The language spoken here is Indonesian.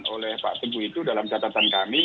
oleh pak teguh itu dalam catatan kami